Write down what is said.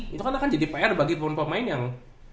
itu kan akan jadi pr bagi pemain pemain yang